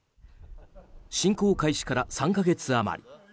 侵攻開始から３か月余り。